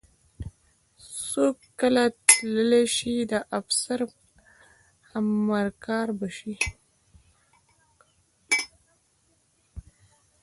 څوک کله تلی شي د افسر همرکابه شي.